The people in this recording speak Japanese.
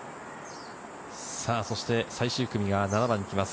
そして最終組が７番に行きます。